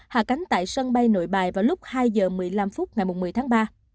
hạ cánh tại sân bay nội bài vào lúc hai h một mươi năm phút ngày một mươi tháng ba